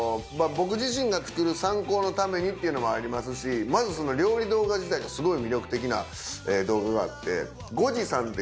僕自身が作る参考のためにっていうのもありますしまず料理動画自体がすごい魅力的な動画があって。